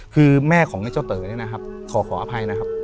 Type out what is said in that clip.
คือแม่ของเจ้าเต๋อขอขออภัยนะครับ